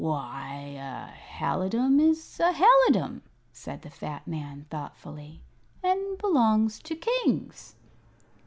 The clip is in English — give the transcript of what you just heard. "Why, a halidom is a halidom," said the fat man, thoughtfully; "and belongs to kings."